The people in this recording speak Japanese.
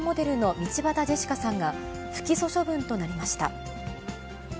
道端ジェシカさんが、不起訴処分となりました。